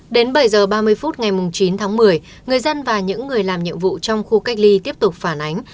đến bảy h ba mươi phút ngày chín tháng một mươi người dân và những người làm nhiệm vụ trong khu cách ly tiếp tục phản ánh